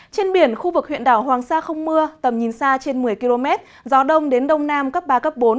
trên biển khu vực huyện đảo hoàng sa không mưa tầm nhìn xa trên một mươi km gió đông đến đông nam cấp ba cấp bốn